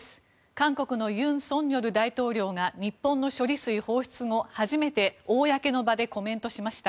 韓国の尹錫悦大統領が日本の処理水放出後初めて公の場でコメントしました。